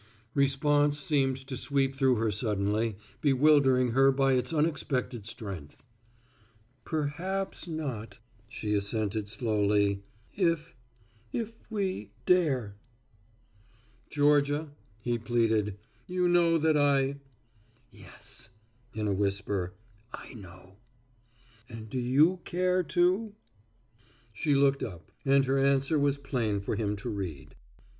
Response seemed to sweep through her suddenly, bewildering her by its unexpected strength. "Perhaps not," she assented slowly, "if if we dare." "Georgia," he pleaded, "you know that I " "Yes," in a whisper, "I know." "And do you care, too?" She looked up, and her answer was plain for him to read.